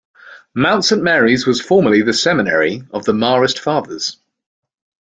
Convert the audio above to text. Mount Saint Mary's was formerly the seminary of the Marist Fathers.